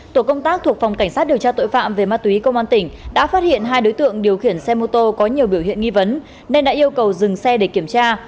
tổ công tác thuộc phòng cảnh sát điều tra tội phạm về ma túy công an tỉnh đã phát hiện hai đối tượng điều khiển xe mô tô có nhiều biểu hiện nghi vấn nên đã yêu cầu dừng xe để kiểm tra